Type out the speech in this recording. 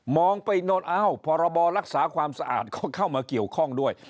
ไปโน้นอ้าวพรบรักษาความสะอาดก็เข้ามาเกี่ยวข้องด้วย